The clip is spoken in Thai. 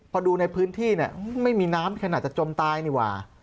พอดูในพื้นที่เนี่ยไม่มีน้ำขนาดจะจมตายนี่หว่า